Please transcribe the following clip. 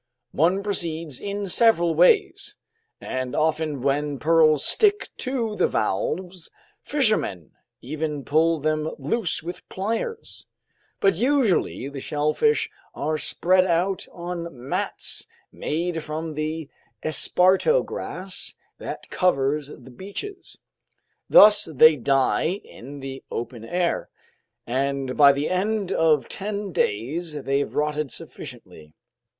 "One proceeds in several ways, and often when pearls stick to the valves, fishermen even pull them loose with pliers. But usually the shellfish are spread out on mats made from the esparto grass that covers the beaches. Thus they die in the open air, and by the end of ten days they've rotted sufficiently.